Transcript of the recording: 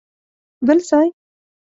بل ځای؟!